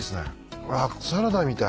うわサラダみたい。